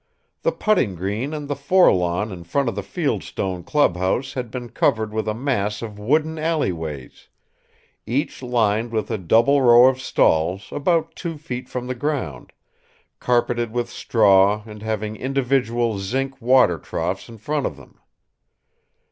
The putting green and the fore lawn in front of the field stone clubhouse had been covered with a mass of wooden alleyways, each lined with a double row of stalls about two feet from the ground, carpeted with straw and having individual zinc water troughs in front of them.